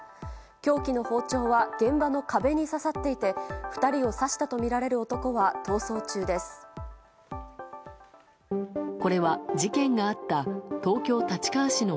凶器の包丁は現場の壁に刺さっていて２人を刺したとみられる男は逃走中です。